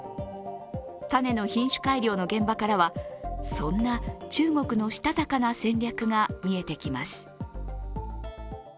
種の品種改良の現場からはそんな中国のしたたかな戦略が見えてきます。